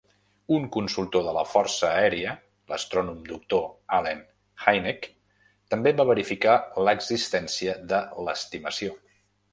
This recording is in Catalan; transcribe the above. Un consultor de la Força Aèria, l'astrònom Doctor Allen Hynek, també va verificar l'existència de "l'estimació".